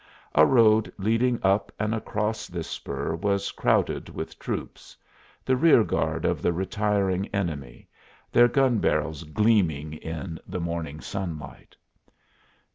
A road leading up and across this spur was crowded with troops the rear guard of the retiring enemy, their gun barrels gleaming in the morning sunlight.